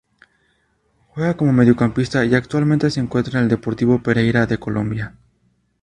Juega como mediocampista y actualmente se encuentra en el Deportivo Pereira de Colombia.